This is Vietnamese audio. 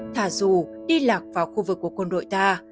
thả dù đi lạc vào khu vực của quân đội ta